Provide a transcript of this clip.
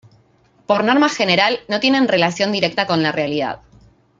Por norma general, no tienen relación directa con la realidad.